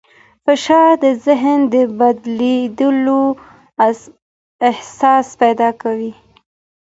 فشار د ذهن د بندېدو احساس پیدا کوي.